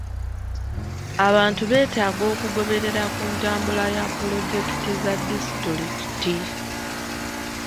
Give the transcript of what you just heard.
Abantu betaaga okugoberera ku ntambula ya pulojekiti za disitulikiti.